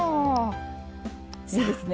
いいですね。